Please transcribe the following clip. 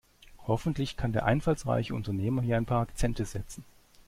Hoffentlich kann der einfallsreiche Unternehmer hier ein paar Akzente setzen.